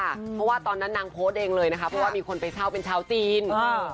เพราะว่าตอนนั้นนางโพสต์เองเลยนะคะเพราะว่ามีคนไปเช่าเป็นชาวจีน